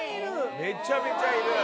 めちゃめちゃいる。